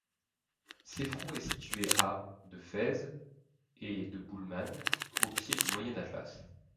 Séfrou est située à de Fès et de Boulemane, au pied du Moyen Atlas.